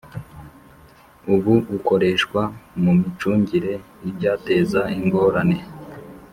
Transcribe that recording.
Ubu bukoreshwa mu micungire y ibyateza ingorane